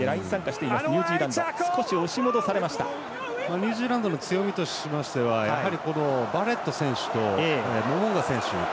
ニュージーランドの強みとしましてはやはり、バレット選手とモウンガ選手。